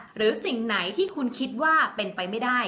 หรือสิ่งไหนที่คุณคิดว่าเป็นไปไม่ได้